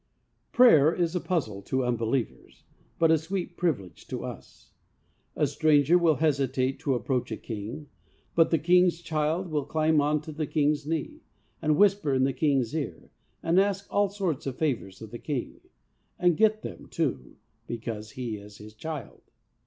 Prayer is a puzzle to unbelievers, but a sweet privileg'e to us. A stranger will hesitate to approach a king, but the king's child will climb on to the king's knee, and whisper in the king's ear, and ask all sorts of favours of the king ; and get them, too, because he is his child.